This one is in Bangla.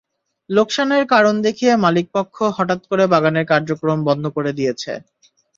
লোকসানের কারণ দেখিয়ে মালিকপক্ষ হঠাৎ করে বাগানের কার্যক্রম বন্ধ করে দিয়েছে।